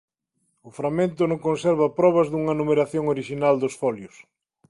O fragmento non conserva probas dunha numeración orixinal dos folios.